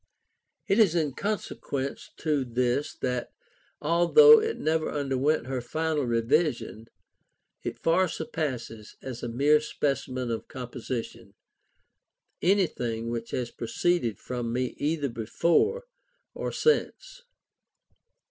It is in consequence of this that, although it never underwent her final revision, it far surpasses, as a mere specimen of composition, anything which has proceeded from me either before or since.